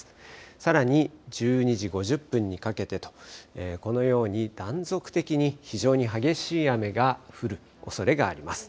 さらに１２時５０分にかけてとこのように断続的に非常に激しい雨が降るおそれがあります。